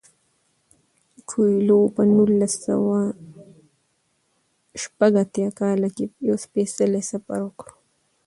کویلیو په نولس سوه شپږ اتیا کال کې یو سپیڅلی سفر وکړ.